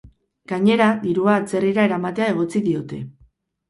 Gainera, dirua atzerrira eramatea egotzi diote.